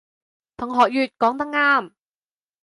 同學乙講得啱